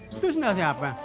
itu sendal siapa